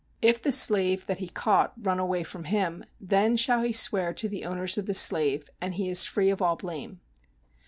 If the slave that he caught run away from him, then shall he swear to the owners of the slave, and he is free of all blame.